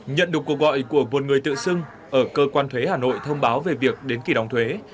nhận được cuộc gọi của một người tự xưng ở cơ quan thuế hà nội thông báo về việc đến kỳ đóng thuế